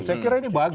saya kira ini bagus